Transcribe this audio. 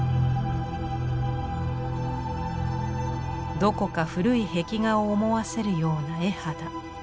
どこか古い壁画を思わせるような絵肌。